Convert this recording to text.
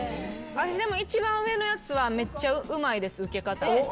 でも一番上のやつはめっちゃうまいです受け方。